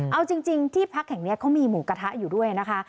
เอาจริงที่พักแห่งนี้เขามีหมูกระทะอยู่ด้วยนะคะ